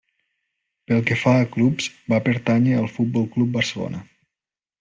Pel que fa a clubs, va pertànyer al Futbol Club Barcelona.